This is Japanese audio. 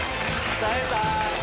耐えた！